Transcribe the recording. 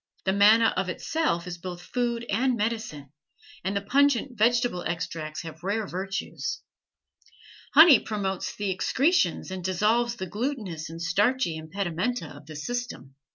The manna of itself is both food and medicine, and the pungent vegetable extracts have rare virtues. Honey promotes the excretions and dissolves the glutinous and starchy impedimenta of the system.